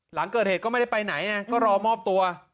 หลังเกิดเหตุก็ไม่ได้ไปไหนไงก็รอมอบตัว